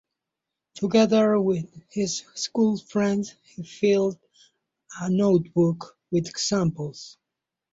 Together with his schoolfriends, he filled a notebook with examples.